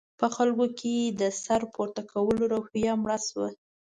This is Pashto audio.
په خلکو کې د سر پورته کولو روحیه مړه شوه.